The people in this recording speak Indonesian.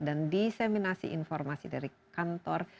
dan diseminasi informasi dari kantor